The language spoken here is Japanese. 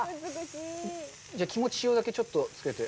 じゃあ、気持ち、塩だけちょっとつけて。